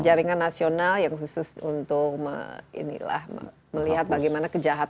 jaringan nasional yang khusus untuk melihat bagaimana kejahatan